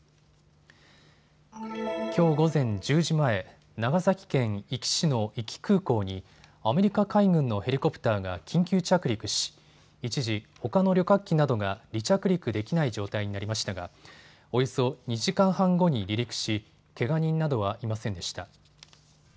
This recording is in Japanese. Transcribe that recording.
きょう午前１０時前、長崎県壱岐市の壱岐空港にアメリカ海軍のヘリコプターが緊急着陸し一時、ほかの旅客機などが離着陸できない状態になりましたがおよそ２時間半後に離陸しけが人などはいませんでした。